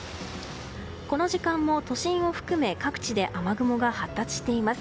この時間も都心を含め各地で雨雲が発達しています。